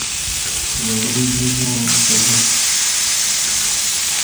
گاؤری جِباں غزل